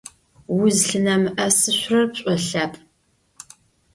Узлъынэмыӏэсышъурэр пшӏолъапӏ.